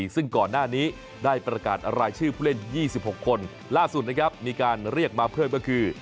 ซึ่งก่อนหน้านี้ได้ประกาศรายชื่อผู้เล่น๒๖คนล่าสุดนะครับมีการเรียกมาเพิ่มก็คือ